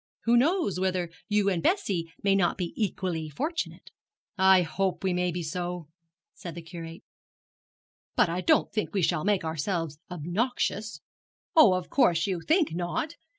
Who knows whether you and Bessie may not be equally fortunate?' 'I hope we may be so,' said the Curate; 'but I don't think we shall make ourselves obnoxious.' 'Oh, of course you think not.